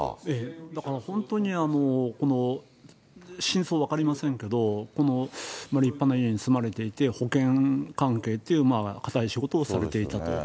だから本当に真相分かりませんけど、立派な家に住まれていて、保険関係っていう堅い仕事をされていたと。